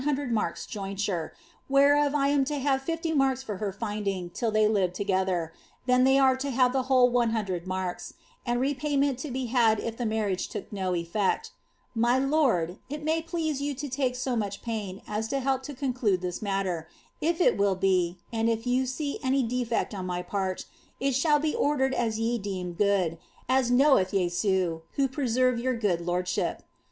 TDL. T. — 2 14 KATHARINE PAKK. have 100 marks jointure, whereof I am to hare 50 marks for her flndiBf til they live together, and tlien they are to have the whole 100 mark*, and ttftf ment to be had if the marriage took not effect. My lord, it might please yoa IS take so mjpch pain as to help to conclude this matter, if it will be, and if jw see any defect on my part, it shall be ordered as ye deem good, as knowiih Jesu, who preserve your good lordship.